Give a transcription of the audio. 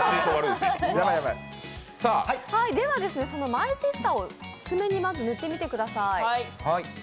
マイシスターを爪にまず塗ってみてください。